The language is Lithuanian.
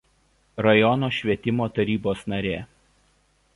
Rajono švietimo tarybos narė.